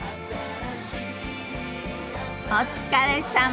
お疲れさま。